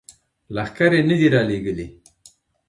لښکر یې نه دي را لیږلي.